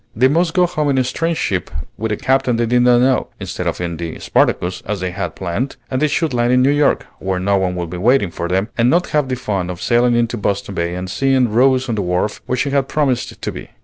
They must go home in a strange ship with a captain they did not know, instead of in the "Spartacus," as they had planned; and they should land in New York, where no one would be waiting for them, and not have the fun of sailing into Boston Bay and seeing Rose on the wharf, where she had promised to be.